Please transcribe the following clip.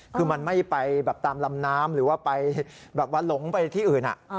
คือมันไม่ไปแบบตามลำน้ำหรือว่าไปแบบว่าหลงไปที่อื่น